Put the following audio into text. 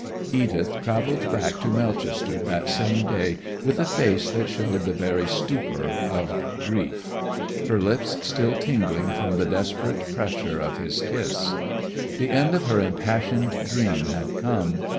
Edith travelled back to Melchester that day with a face that showed the very stupor of grief; her lips still tingling from the desperate pressure of his kiss. The end of her impassioned dream had come.